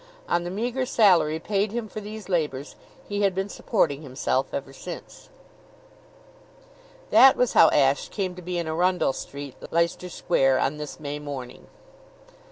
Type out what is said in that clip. On the meager salary paid him for these labors he had been supporting himself ever since. That was how Ashe came to be in Arundell Street, Leicester Square, on this May morning.